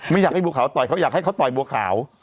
ไม่อยากให้บัวขาวต่อยเขาอยากให้เขาต่อยบัวขาว